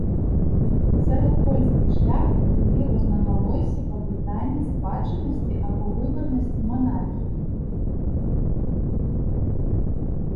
Сярод польскай шляхты былі рознагалоссі па пытанні спадчыннасці або выбарнасці манархіі.